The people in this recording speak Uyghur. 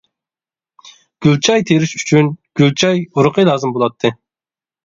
گۈل چاي تىرىش ئۈچۈن گۈل چاي ئۇرۇقى لازىم بولاتتى.